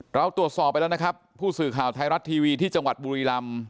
เราตรวจสอบไปแล้วนะครับผู้สื่อข่าวไทยรัฐทีวีที่จังหวัดบุรีลำ